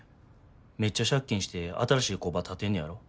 めっちゃ借金して新しい工場建てんねやろ？